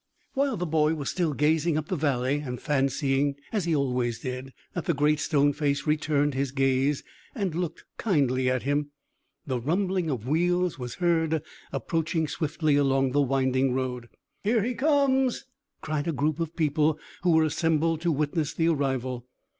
While the boy was still gazing up the valley, and fancying, as he always did, that the Great Stone Face returned his gaze and looked kindly at him, the rumbling of wheels was heard, approaching swiftly along the winding road. "Here he comes!" cried a group of people who were assembled to witness the arrival.